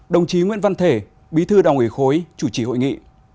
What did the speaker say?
đồng chí nguyễn văn thể bí thư đảng ủy khối chủ trì hội nghị